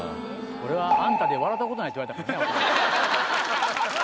俺は「あんたで笑ったことない」って言われたけどね